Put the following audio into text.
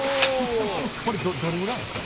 これどれぐらいなんですか？